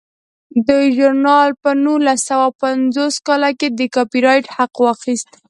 دې ژورنال په نولس سوه یو پنځوس کال کې د کاپي رایټ حق واخیست.